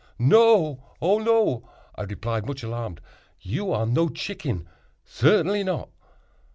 "No—oh no!" I replied, much alarmed, "you are no chicken—certainly not."